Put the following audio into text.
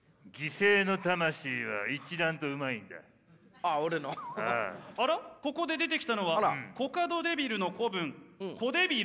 あらここで出てきたのはコカドデビルの子分コデビル。